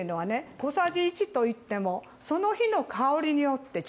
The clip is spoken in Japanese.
小さじ１といってもその日の香りによって違うんですね。